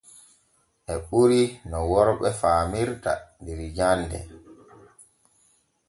E ɓuri no worɓe faamirta der jande.